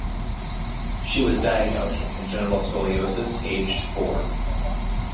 She was diagnosed with congenital scoliosis aged four.